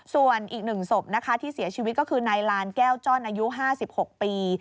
ส่วนอีก๑ศพนะคะที่เสียชีวิตก็คือนายลานแก้วจ้อนอายุ๕๖ปี